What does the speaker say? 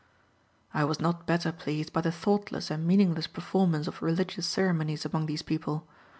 I was not better pleased by the thoughtless and meaningless performance of religious ceremonies among these people.